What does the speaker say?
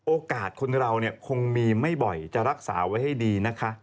โอกาสคนเราเนี่ยคงมีไม่บ่อยจะรักษาไว้ให้ดี